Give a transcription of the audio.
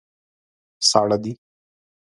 ساړه دي.